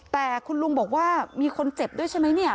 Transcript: แต่คุณลุงบอกว่ามีคนเจ็บด้วยใช่ไหมเนี่ย